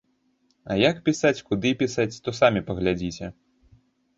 А як пісаць, куды пісаць, то самі паглядзіце.